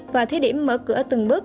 và thế điểm mở cửa từng bước